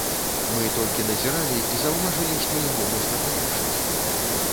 Мы толькі назіралі і заўважылі, што яго можна палепшыць.